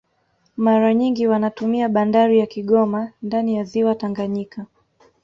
Mara nyingi wanatumia bandari ya Kigoma ndani ya ziwa Tanganyika